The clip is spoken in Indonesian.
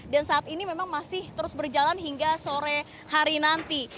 dan saat ini memang masih terus berjalan hingga sore hari nanti